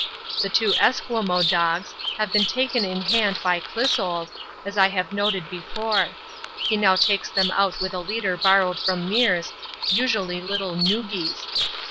The two Esquimaux dogs have been taken in hand by Clissold, as I have noted before. He now takes them out with a leader borrowed from Meares, usually little 'Noogis.'